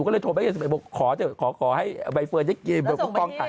ก็เลยโทรไปขอให้ไอ้เฟิร์นจะส่งไปให้